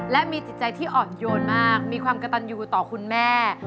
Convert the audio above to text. และมีจิตใจที่อ่อนโยนมากมีความกระตันอยู่ต่อคุณแม่